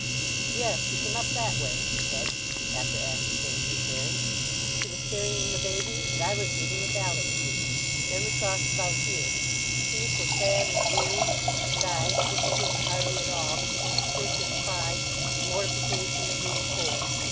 "Yes, we came up that way," he said, after ascertaining his bearings. "She was carrying the baby, and I was reading a ballet sheet. Then we crossed about here—she so sad and weary, and I speaking to her hardly at all, because of my cursed pride and mortification at being poor.